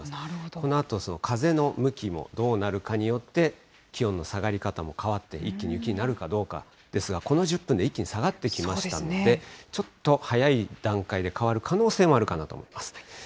このあと風の向きもどうなるかによって、気温の下がり方も変わって、一気に雪になるかどうかですが、この１０分で一気に下がってきましたので、ちょっと早い段階で変わる可能性もあるかなと思います。